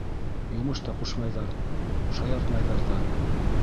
Йомош та ҡушмайҙар, шаяртмайҙар ҙа.